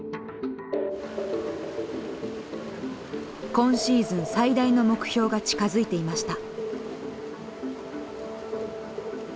今シーズン最大の目標が近づいていました。